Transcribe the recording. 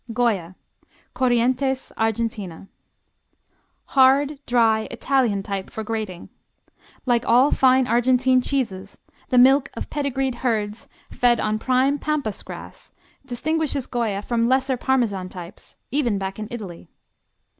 Goya Corrientes, Argentine Hard, dry, Italian type for grating. Like all fine Argentine cheeses the milk of pedigreed herds fed on prime pampas grass distinguishes Goya from lesser Parmesan types, even back in Italy.